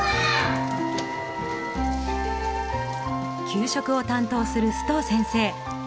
給食を担当する須藤先生。